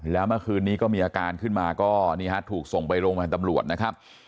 แล้วเมื่อคืนนี้ก็มีอาการขึ้นมาก็นี่ฮะถูกส่งไปโรงพยาบาลตำรวจนะครับ